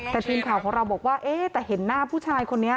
แต่ทีมข่าวของเราบอกว่าเอ๊ะแต่เห็นหน้าผู้ชายคนนี้